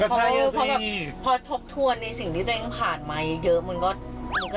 ก็ใช่น่ะสิพอทบทวนในสิ่งที่ตัวเองผ่านมาเยอะมันก็